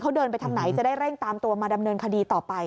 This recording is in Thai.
เขาเดินไปทางไหนจะได้เร่งตามตัวมาดำเนินคดีต่อไป